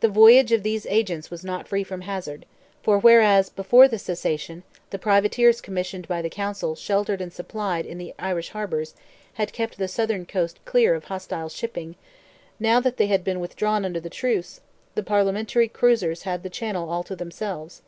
The voyage of these agents was not free from hazard, for, whereas, before the cessation, the privateers commissioned by the Council, sheltered and supplied in the Irish harbours, had kept the southern coast clear of hostile shipping, now that they had been withdrawn under the truce, the parliamentary cruisers had the channel all to themselves.